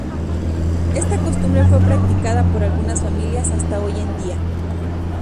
Esta costumbre fue practicada por algunas familias hasta hoy en día.